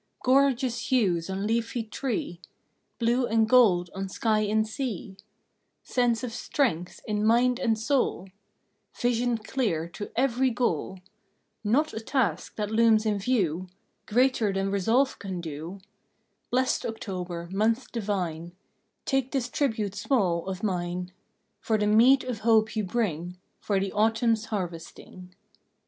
Gorgeous hues on leafy tree, Blue and gold on sky and sea, Sense of strength in mind and soul, Vision clear to every goal, Not a task that looms in view Greater than Resolve can do Blest October, month divine, Take this tribute small of mine For the meed of Hope you bring For the Autumn s harvesting.